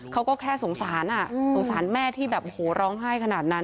เขาก็แค่สงสารสงสารแม่ที่แบบโหร้องไห้ขนาดนั้น